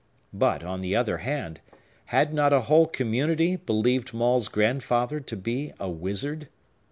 But, on the other hand, had not a whole community believed Maule's grandfather to be a wizard?